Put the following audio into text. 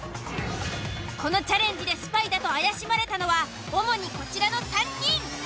このチャレンジでスパイだと怪しまれたのは主にこちらの３人。